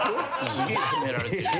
すげえ詰められてる。